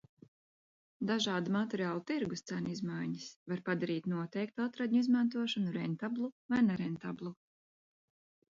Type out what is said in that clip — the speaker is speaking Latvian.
Dažādu materiālu tirgus cenu izmaiņas var padarīt noteiktu atradņu izmantošanu rentablu vai nerentablu.